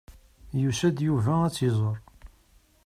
Yusa-d Yuba ad tt-iẓer.